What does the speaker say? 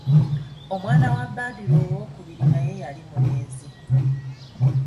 Omwana wa Badru owookubiri naye yali mulenzi.